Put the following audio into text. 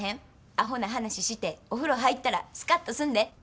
アホな話してお風呂入ったらスカッとすんで。